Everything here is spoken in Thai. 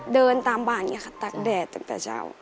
เดินตามบ้านอย่างนี้ค่ะตักแดดตั้งแต่เช้า